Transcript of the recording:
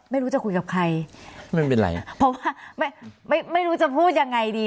ไม่รู้จะคุยกับใครไม่เป็นไรเพราะว่าไม่ไม่รู้จะพูดยังไงดี